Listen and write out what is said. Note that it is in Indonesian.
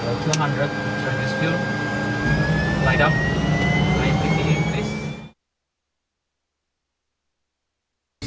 pesawat pengintai milik tni angkatan udara memiliki teknologi canggih sebagai pesawat pengintai milik tni angkatan udara